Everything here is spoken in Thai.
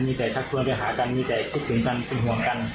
มีแต่ทักชวนไปหากันมีแต่คิดถึงกันเป็นห่วงกัน